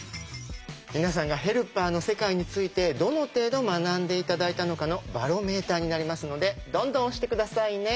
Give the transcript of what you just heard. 皆さんがヘルパーの世界についてどの程度学んで頂いたのかのバロメーターになりますのでどんどん押して下さいね。